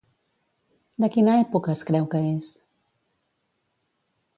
De quina època es creu que és?